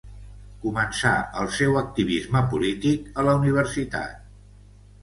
Començà el seu activisme polític a la universitat.